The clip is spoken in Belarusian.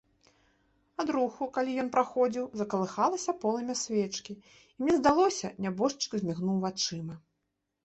Ад руху, калі ён праходзіў, закалыхалася полымя свечкі, і мне здалося, нябожчык змігнуў вачыма.